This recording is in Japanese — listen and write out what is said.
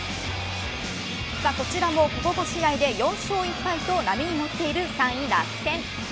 こちらもここ５試合で４勝１敗と波に乗っている３位・楽天。